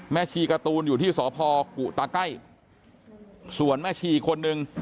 ชีการ์ตูนอยู่ที่สพกุตาไก้ส่วนแม่ชีคนหนึ่ง